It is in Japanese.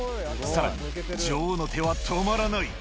さらに、女王の手は止まらない。